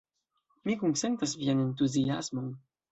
Mi kunsentas vian entuziasmon!